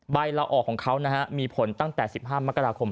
ละออกของเขามีผลตั้งแต่๑๕มกราคม